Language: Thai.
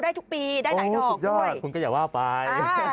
อุ้ยสุดยอดคุณก็อย่าว่าไป